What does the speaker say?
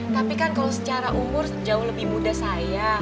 tapi kan kalau secara umur jauh lebih muda saya